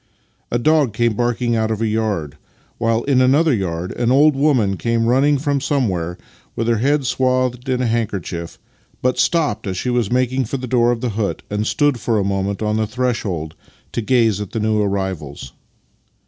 A dog came barking out of a yard, while in another yard an old woman came running from somewhere, with her head swathed in a handkerchief, but stopped as she was making for the door of the hut and stood for a moment on the threshold to gaze at the new arrivals.